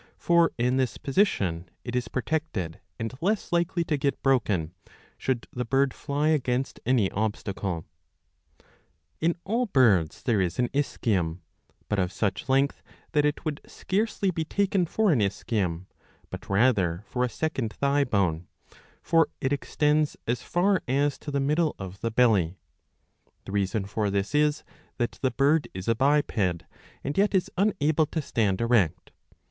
For in this position it is pro tected, and less likely to get broken, should the bird fly against any obstaclc^^ In all birds there is an ischium, but of such length that it would scarcely be taken for an ischium, but rather for a second thigh bone ; for it extends as far as to the middle of the belly.^^ The reason for this is that the bird is a biped, and yet is unable to stand erect.